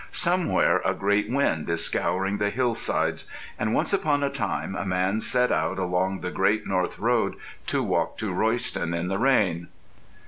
Somewhere a great wind is scouring the hillsides; and once upon a time a man set out along the Great North Road to walk to Royston in the rain....